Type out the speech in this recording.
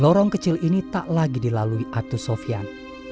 lorong kecil ini tak lagi dilalui aibtu sofyan